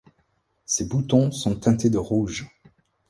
Ses boutons sont teintés de rouge.